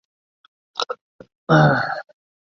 英国组合城市